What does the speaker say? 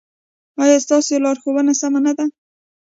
ایا ستاسو لارښوونه سمه نه ده؟